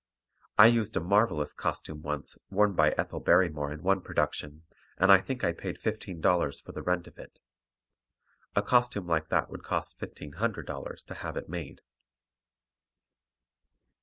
I used a marvelous costume once worn by Ethel Barrymore in one production, and I think I paid $15 for the rent of it. A costume like that would cost $1500 to have it made.